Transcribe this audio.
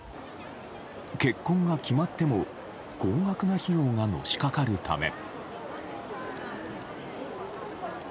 結婚が決まっても高額な費用がのしかかるため。